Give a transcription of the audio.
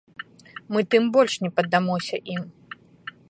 Мы тым больш не паддамося ім!